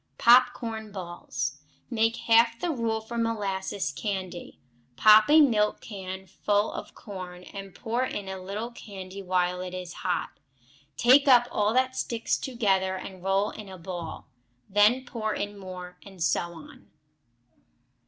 Pop corn Balls Make half the rule for molasses candy. Pop a milk can full of corn, and pour in a little candy while it is hot; take up all that sticks together and roll in a ball; then pour in more, and so on.